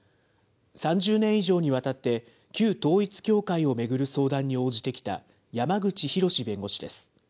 ３０年以上にわたって、旧統一教会を巡る相談に応じてきた山口広弁護士です。